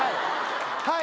はい。